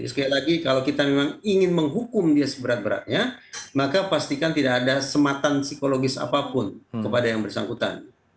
sekali lagi kalau kita memang ingin menghukum dia seberat beratnya maka pastikan tidak ada sematan psikologis apapun kepada yang bersangkutan